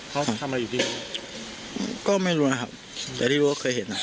เขาทำอะไรอยู่พี่ก็ไม่รู้นะครับแต่ที่รู้ว่าเคยเห็นอ่ะ